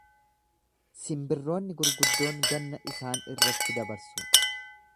Simbiroonni gurguddoon ganna isaan irratti dabarsu.